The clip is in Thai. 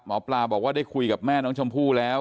หมอปลาบอกว่าได้คุยกับแม่น้องชมพู่แล้ว